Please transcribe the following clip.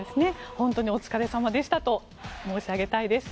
本当にお疲れ様でしたと申し上げたいです。